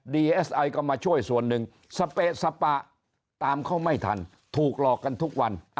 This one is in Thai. เอสไอก็มาช่วยส่วนหนึ่งสเปะสปะตามเขาไม่ทันถูกหลอกกันทุกวัน